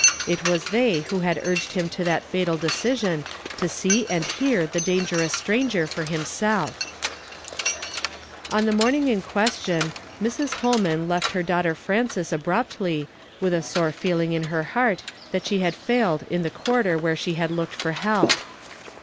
It was they who had urged him to that fatal decision to see and hear the dangerous stranger for himself ! On the morning in question, Mrs. Dolman left her daughter Frances abruptly, with a sore feeling in her heart that she had failed in the quarter where she had looked for help.